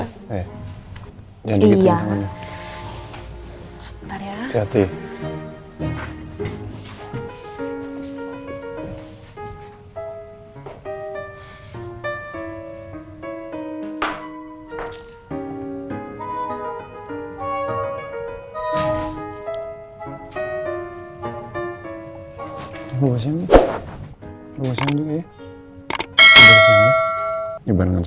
eh jangan begituin tangannya